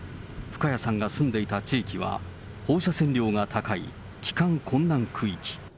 深谷さんが住んでいた地域は、放射線量が高い帰還困難区域。